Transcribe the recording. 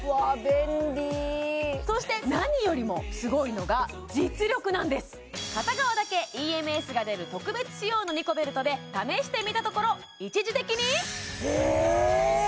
便利そして何よりも片側だけＥＭＳが出る特別仕様のニコベルトで試してみたところ一時的にえっ！？